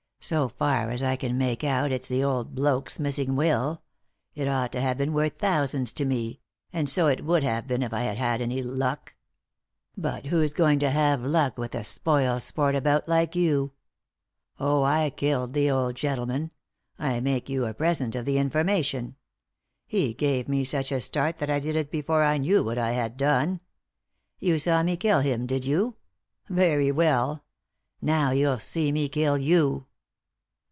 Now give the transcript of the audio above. " So rkr as I can make out it's the old bloke's missing will — it ought to have been worth thousands to me ; and so it would have been if I had had any luck. But who'i going to have luck with a spoil sport about like you ? Oh, I killed the old gentleman ; I make you a present of the information ; he gave me such a start that I did it before I knew what I bad done. You saw me kill 3*« 3i 9 iii^d by Google THE INTERRUPTED KISS him — did you ? Very well ; now you'll see me kill yon."